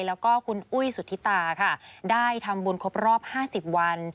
แล้วก็คุณอุ้ยสุธิตาค่ะได้ทำบุญครบรอบ๕๐วัน